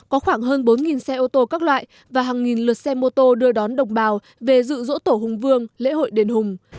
có khoảng hơn bốn xe ô tô các loại và hàng nghìn lượt xe mô tô đưa đón đồng bào về dự dỗ tổ hùng vương lễ hội đền hùng